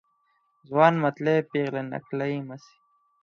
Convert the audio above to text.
ځوان متلي ، پيغله نکلي مه سي.